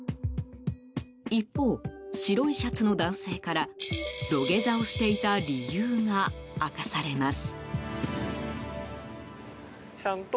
一方、白いシャツの男性から土下座をしていた理由が明かされます。